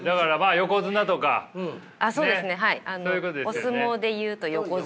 お相撲で言うと横綱。